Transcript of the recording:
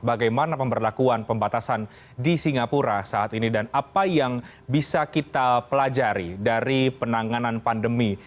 bagaimana pemberlakuan pembatasan di singapura saat ini dan apa yang bisa kita pelajari dari penanganan pandemi